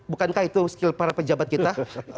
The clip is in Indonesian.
bukankah itu skill para pejabat kita